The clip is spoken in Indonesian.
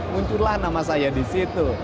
muncullah nama saya di situ